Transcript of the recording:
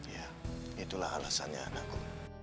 ya itulah alasannya anakku